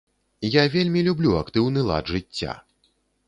Я вельмі люблю актыўны лад жыцця.